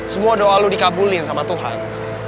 semua doa lu dikabulin sama tuhan